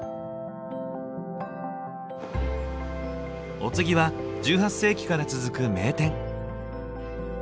お次は１８世紀から続く名店。